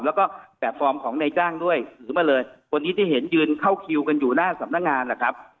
แล้วก็แบบฟอร์มของนายจ้างด้วยถือมาเลยคนนี้ที่เห็นยืนเข้าคิวกันอยู่หน้าสำนักงานล่ะครับ